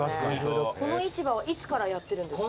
この市場はいつからやってるんですか？